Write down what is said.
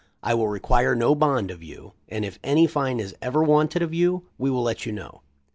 I will require no bond of you, and if any fine is ever wanted of you, we will let you know."